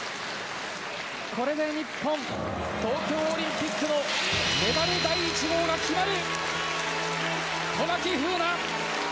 これで日本、東京オリンピックのメダル第１号が決まる！